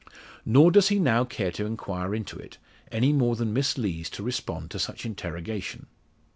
Nor does he now care to inquire into it, any more than Miss Lees to respond to such interrogation.